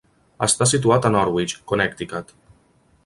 Està situat a Norwich, Connecticut.